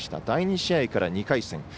第２試合から２回戦。